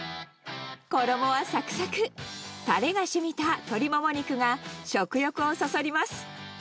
衣はさくさく、たれがしみた鶏もも肉が食欲をそそります。